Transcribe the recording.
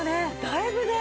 だいぶね